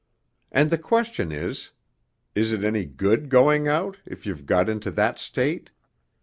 And the question is is it any good going out, if you've got into that state?...